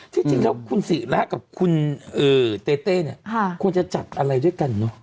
จริงแล้วคุณศิระกับคุณเต้เต้เนี่ยควรจะจับอะไรด้วยกันเนอะ